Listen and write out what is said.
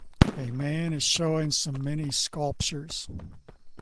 A man is showing some mini sculptures